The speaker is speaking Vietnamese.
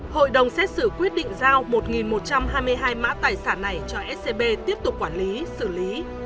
hội đồng xét xử quyết định giao một một trăm hai mươi hai mã tài sản này cho scb tiếp tục quản lý xử lý